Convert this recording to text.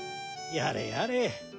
やれやれ。